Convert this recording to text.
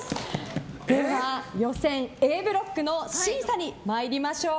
では、予選Ａブロックの審査に参りましょう。